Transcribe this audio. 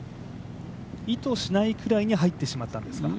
意図しないくらいに入ってしまったんですか？